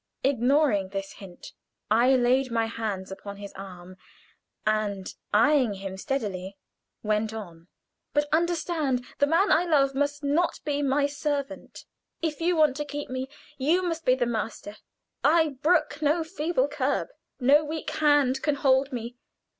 Ignoring this hint, I laid my hands upon his arm, and eying him steadily, went on: "But understand, the man I love must not be my servant. If you want to keep me you must be the master; I brook no feeble curb; no weak hand can hold me.